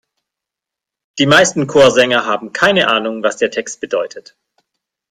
Die meisten Chorsänger haben keine Ahnung, was der Text bedeutet.